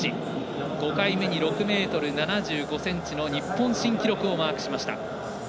５回目に６ｍ７５ｃｍの日本新記録もマークしました。